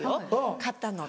買ったのが。